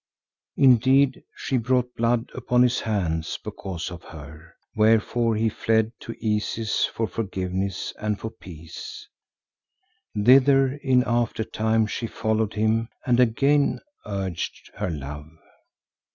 Indeed, she brought blood upon his hands because of her, wherefore he fled to Isis for forgiveness and for peace. Thither in after time she followed him and again urged her love.